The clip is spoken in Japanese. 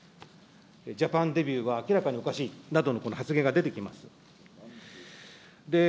ジャパンデビューは明らかにおかしいなどの発言が出てきます。